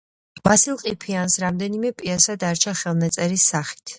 ვასილ ყიფიანს რამდენიმე პიესა დარჩა ხელნაწერის სახით.